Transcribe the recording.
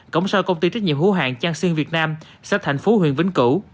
cổng sau công ty trách nhiệm hữu hạng trang xuyên việt nam sách tp huyền vĩnh cửu